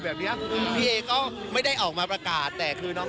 แบบนี้พี่เอก็ไม่ได้ออกมาประกาศแต่คือน้อง